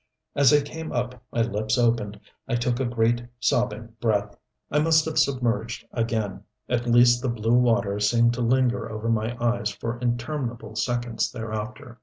As I came up my lips opened, I took a great, sobbing breath. I must have submerged again. At least the blue water seemed to linger over my eyes for interminable seconds thereafter.